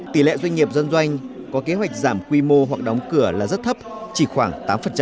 tỷ lệ doanh nghiệp dân doanh có kế hoạch giảm quy mô hoặc đóng cửa là rất thấp chỉ khoảng tám